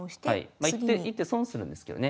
まあ１手損するんですけどね。